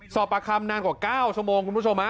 ประคำนานกว่า๙ชั่วโมงคุณผู้ชม